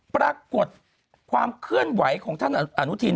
ปรากฏความเคลื่อนไหวของท่านอนุทิน